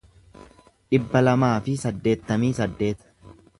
dhibba lamaa fi saddeettamii saddeet